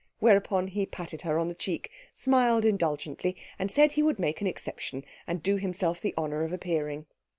Whereupon he patted her on the cheek, smiled indulgently, and said he would make an exception and do himself the honour of appearing.